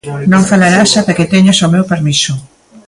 Non falarás ata que teñas o meu permiso.